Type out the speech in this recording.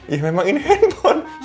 ya memang ini handphone